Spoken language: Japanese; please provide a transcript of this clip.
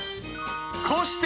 ［こうして］